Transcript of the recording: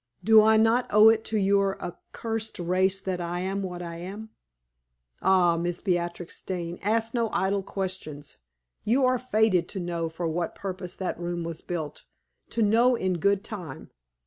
Do I not owe it to your accursed race that I am what I am? Ah, Miss Beatrix Dane, ask no idle questions. You are fated to know for what purpose that room was built, to know in good time.